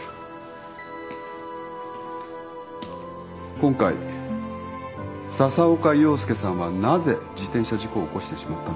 今回笹岡庸介さんはなぜ自転車事故を起こしてしまったのか。